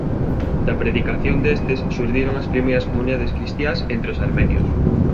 Da predicación destes xurdiron as primeiras comunidades cristiás entre os armenios.